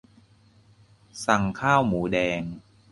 สั่งข้าวหมูแดง